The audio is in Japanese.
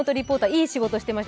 いい仕事していました。